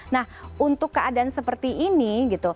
nah untuk keadaan seperti ini gitu